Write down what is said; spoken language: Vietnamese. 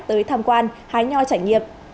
tới tham quan hái nho trải nghiệp